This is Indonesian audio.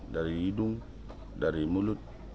dari hidung dari mulut